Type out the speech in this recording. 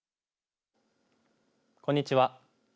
こんにちは。